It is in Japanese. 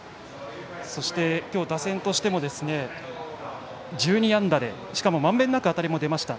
そして、今日打線としても１２安打でしかも、まんべんなく当たりも出ました。